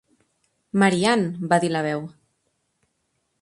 Mary Ann! va dir la veu.